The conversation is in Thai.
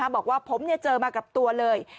บอกว่าผมเจอมากับตัวเลย